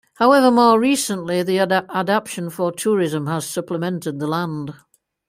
However more recently the adaption for tourism has supplemented the land.